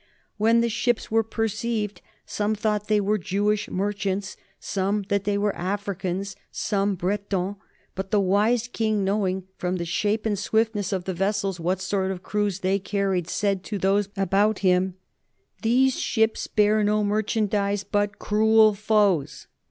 When the ships were perceived some thought they were Jewish merchants, some that they were Africans, some Bretons. But the wise king, knowing from the shape and swiftness of the vessels what sort of crews they carried, said to those about him, "These ships bear no merchandize, but cruel foes."